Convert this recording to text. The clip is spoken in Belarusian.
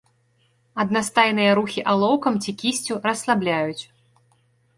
Аднастайныя рухі алоўкам ці кісцю расслабляюць.